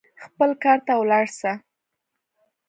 خپل کار ته ولاړ سه.